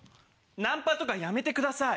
ナンパとかやめてください。